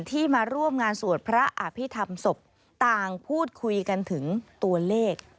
ที่มาร่วมงานสวดพระอภิษฐรรมศพต่างพูดคุยกันถึงตัวเลข